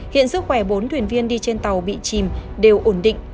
hiện sức khỏe bốn thuyền viên đi trên tàu bị chìm đều ổn định